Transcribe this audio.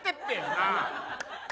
なあ。